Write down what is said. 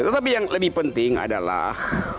tetapi yang lebih penting adalah